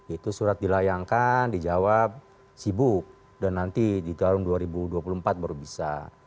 itu surat dilayangkan dijawab sibuk dan nanti di tahun dua ribu dua puluh empat baru bisa